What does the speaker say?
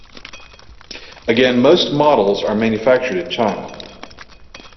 Again, most models are manufactured in China.